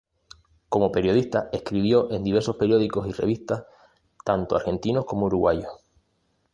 Como periodista escribió en diversos periódicos y revistas tanto argentinos como uruguayos.